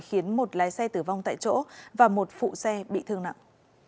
khiến một lái xe tử vong tại chỗ và một phụ xe bị thương nặng